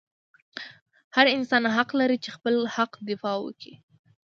هر انسان حق لري چې خپل حق دفاع وکي